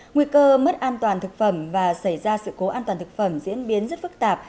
nguy cơ mất an toàn thực phẩm và xảy ra sự cố an toàn thực phẩm diễn biến rất phức tạp